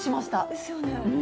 ですよね。